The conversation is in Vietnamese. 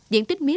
diện tích mía